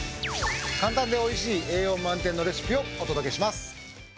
簡単で美味しい栄養満点のレシピをお届けします。